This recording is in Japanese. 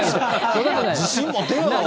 自信持てよ。